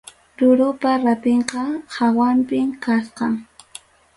Rurupa rapinqa hawapim kachkan.